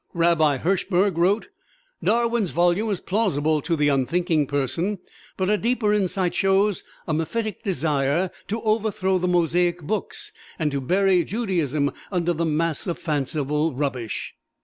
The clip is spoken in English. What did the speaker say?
Rabbi Hirschberg wrote, "Darwin's volume is plausible to the unthinking person; but a deeper insight shows a mephitic desire to overthrow the Mosaic books and to bury Judaism under a mass of fanciful rubbish."